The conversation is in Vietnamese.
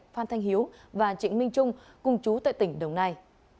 phan thanh hiếu và trịnh minh trung cùng chú tại tỉnh đồng nai